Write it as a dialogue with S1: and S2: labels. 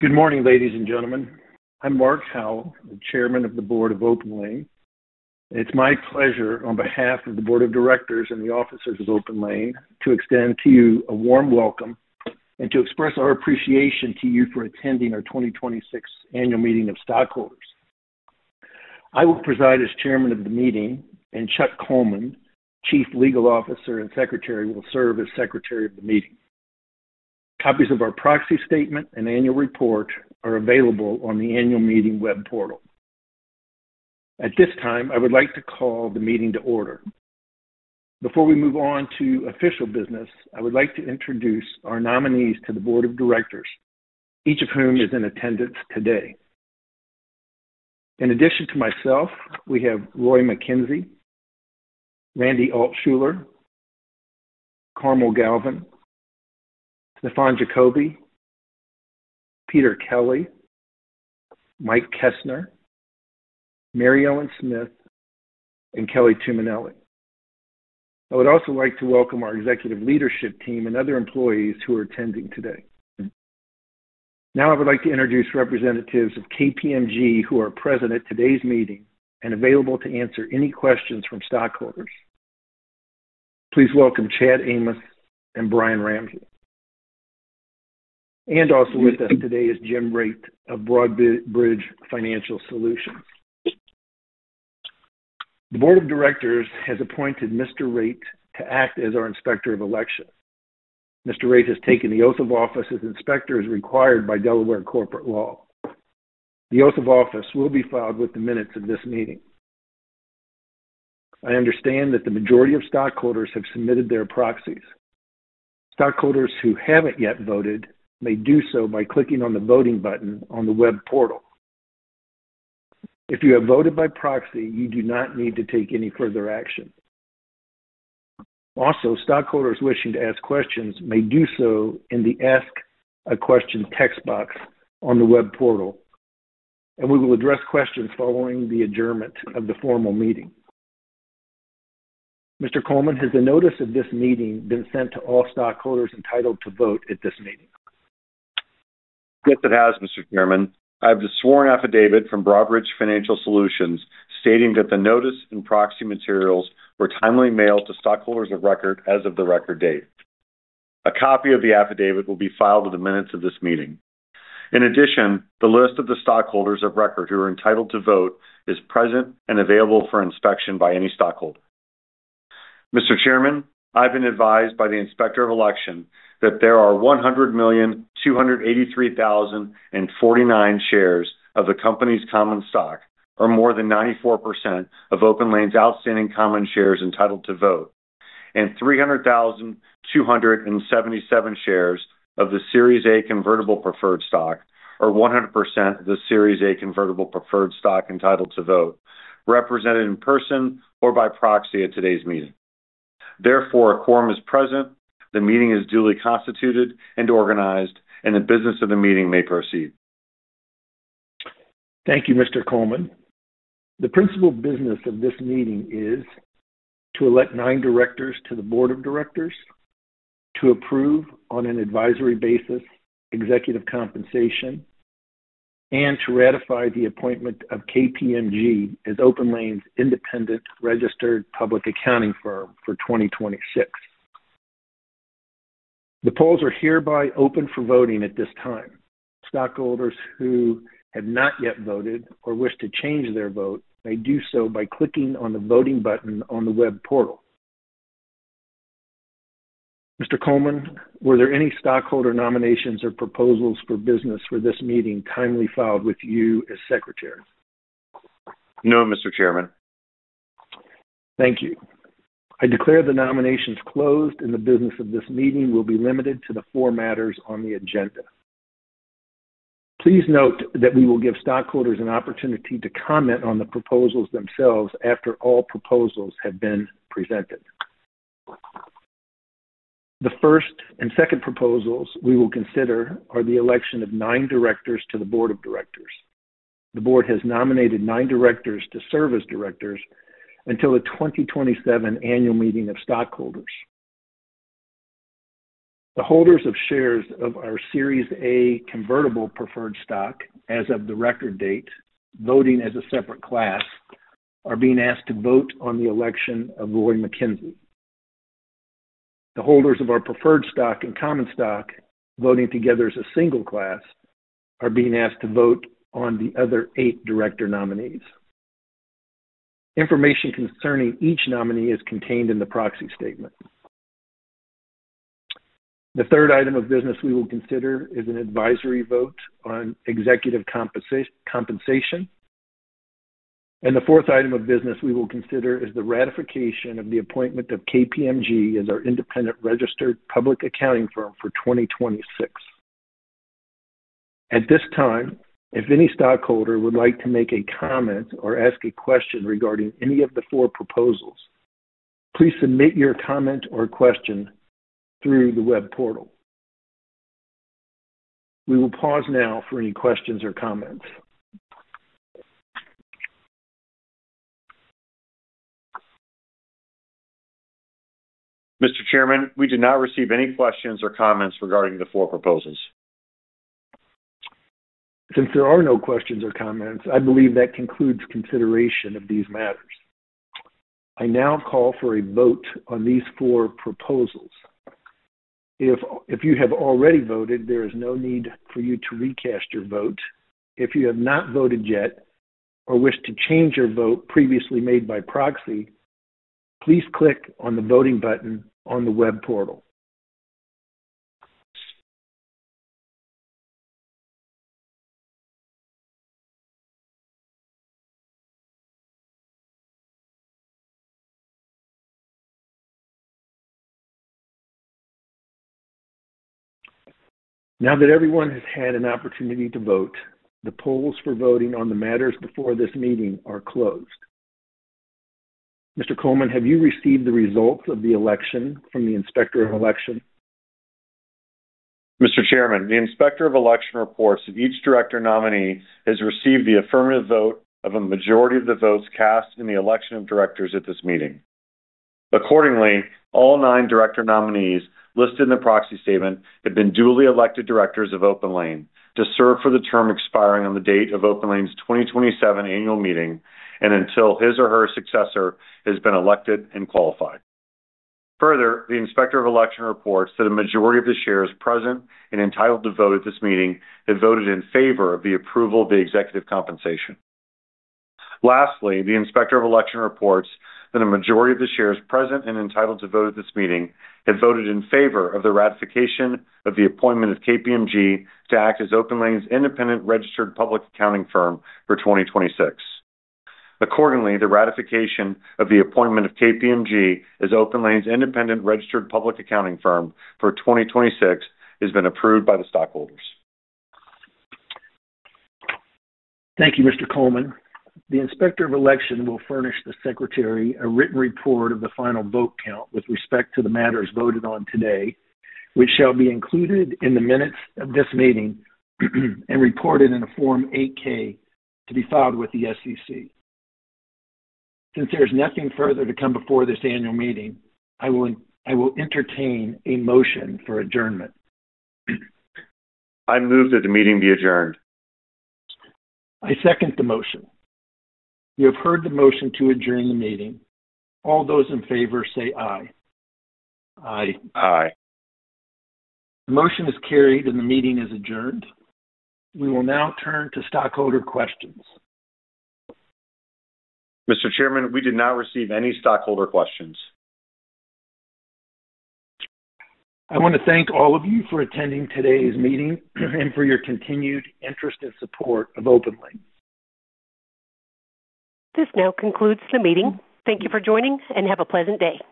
S1: Good morning, ladies and gentlemen. I'm Mark Howell, the Chairman of the Board of OPENLANE. It's my pleasure, on behalf of the board of directors and the officers of OPENLANE, to extend to you a warm welcome and to express our appreciation to you for attending our 2026 Annual Meeting of Stockholders. I will preside as chairman of the meeting, and Chuck Coleman, Executive Vice President, Chief Legal Officer and Secretary, will serve as secretary of the meeting. Copies of our proxy statement and annual report are available on the annual meeting web portal. At this time, I would like to call the meeting to order. Before we move on to official business, I would like to introduce our nominees to the board of directors, each of whom is in attendance today. In addition to myself, we have Roy Mackenzie, Randy Altschuler, Carmel Galvin, Stefan Jacoby, Peter Kelly, Mike Kestner, Mary Ellen Smith, and Kelly Tuminelli. I would also like to welcome our executive leadership team and other employees who are attending today. Now I would like to introduce representatives of KPMG who are present at today's meeting and available to answer any questions from stockholders. Please welcome Chad Amos and Brian Ramsey. Also with us today is Jim Raths of Broadridge Financial Solutions. The board of directors has appointed Mr. Raths to act as our Inspector of Election. Mr. Raths has taken the oath of office as inspector as required by Delaware corporate law. The oath of office will be filed with the minutes of this meeting. I understand that the majority of stockholders have submitted their proxies. Stockholders who haven't yet voted may do so by clicking on the voting button on the web portal. If you have voted by proxy, you do not need to take any further action. Stockholders wishing to ask questions may do so in the Ask a Question text box on the web portal, and we will address questions following the adjournment of the formal meeting. Mr. Coleman, has the notice of this meeting been sent to all stockholders entitled to vote at this meeting?
S2: Yes, it has, Mr. Chairman. I have the sworn affidavit from Broadridge Financial Solutions stating that the notice and proxy materials were timely mailed to stockholders of record as of the record date. A copy of the affidavit will be filed with the minutes of this meeting. The list of the stockholders of record who are entitled to vote is present and available for inspection by any stockholder. Mr. Chairman, I've been advised by the Inspector of Election that there are 100,283,049 shares of the company's common stock, or more than 94% of OPENLANE's outstanding common shares entitled to vote, and 300,277 shares of the Series A convertible preferred stock, or 100% of the Series A convertible preferred stock entitled to vote, represented in person or by proxy at today's meeting. Therefore, a quorum is present, the meeting is duly constituted and organized, and the business of the meeting may proceed.
S1: Thank you, Mr. Coleman. The principal business of this meeting is to elect nine directors to the board of directors, to approve, on an advisory basis, executive compensation, and to ratify the appointment of KPMG as OPENLANE's independent registered public accounting firm for 2026. The polls are hereby open for voting at this time. Stockholders who have not yet voted or wish to change their vote may do so by clicking on the voting button on the web portal. Mr. Coleman, were there any stockholder nominations or proposals for business for this meeting timely filed with you as secretary?
S2: No, Mr. Chairman.
S1: Thank you. I declare the nominations closed and the business of this meeting will be limited to the four matters on the agenda. Please note that we will give stockholders an opportunity to comment on the proposals themselves after all proposals have been presented. The first and second proposals we will consider are the election of nine directors to the board of directors. The board has nominated nine directors to serve as directors until the 2027 annual meeting of stockholders. The holders of shares of our Series A convertible preferred stock as of the record date, voting as a separate class, are being asked to vote on the election of Roy Mackenzie. The holders of our preferred stock and common stock, voting together as a single class, are being asked to vote on the other eight director nominees. Information concerning each nominee is contained in the proxy statement. The third item of business we will consider is an advisory vote on executive compensation. The fourth item of business we will consider is the ratification of the appointment of KPMG as our independent registered public accounting firm for 2026. At this time, if any stockholder would like to make a comment or ask a question regarding any of the four proposals, please submit your comment or question through the web portal. We will pause now for any questions or comments
S2: Mr. Chairman, we did not receive any questions or comments regarding the four proposals.
S1: Since there are no questions or comments, I believe that concludes consideration of these matters. I now call for a vote on these four proposals. If you have already voted, there is no need for you to recast your vote. If you have not voted yet or wish to change your vote previously made by proxy, please click on the voting button on the web portal. Now that everyone has had an opportunity to vote, the polls for voting on the matters before this meeting are closed. Mr. Coleman, have you received the results of the election from the Inspector of Election?
S2: Mr. Chairman, the Inspector of Election reports that each director nominee has received the affirmative vote of a majority of the votes cast in the election of directors at this meeting. Accordingly, all nine director nominees listed in the proxy statement have been duly elected directors of OPENLANE to serve for the term expiring on the date of OPENLANE's 2027 annual meeting and until his or her successor has been elected and qualified. Further, the Inspector of Election reports that a majority of the shares present and entitled to vote at this meeting have voted in favor of the approval of the executive compensation. Lastly, the Inspector of Election reports that a majority of the shares present and entitled to vote at this meeting have voted in favor of the ratification of the appointment of KPMG to act as OPENLANE's independent registered public accounting firm for 2026. Accordingly, the ratification of the appointment of KPMG as OPENLANE's independent registered public accounting firm for 2026 has been approved by the stockholders.
S1: Thank you, Mr. Coleman. The Inspector of Election will furnish the Secretary a written report of the final vote count with respect to the matters voted on today, which shall be included in the minutes of this meeting and reported in a Form 8-K to be filed with the SEC. Since there's nothing further to come before this annual meeting, I will entertain a motion for adjournment.
S2: I move that the meeting be adjourned.
S1: I second the motion. You have heard the motion to adjourn the meeting. All those in favor say aye. Aye.
S2: Aye.
S1: The motion is carried and the meeting is adjourned. We will now turn to stockholder questions.
S2: Mr. Chairman, we did not receive any stockholder questions.
S1: I want to thank all of you for attending today's meeting and for your continued interest and support of OPENLANE. This now concludes the meeting. Thank you for joining, and have a pleasant day